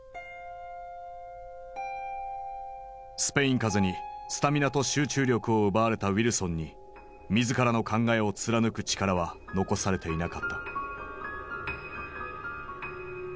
スペイン風邪にスタミナと集中力を奪われたウィルソンに自らの考えを貫く力は残されていなかった。